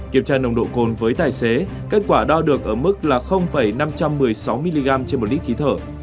kiểm tra nồng độ cồn với tài xế kết quả đo được ở mức là năm trăm một mươi sáu mg trên một lít khí thở